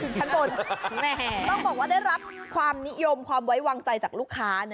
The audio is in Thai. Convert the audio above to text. ชั้นบนต้องบอกว่าได้รับความนิยมความไว้วางใจจากลูกค้านะ